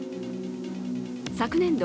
昨年度